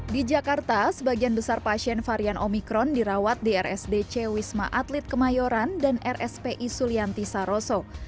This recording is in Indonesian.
di jakarta sebagian besar pasien varian omikron dirawat di rsdc wisma atlet kemayoran dan rspi sulianti saroso